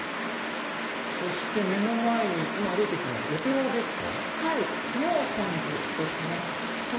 そして目の前に今歩いてきたのはお寺ですか？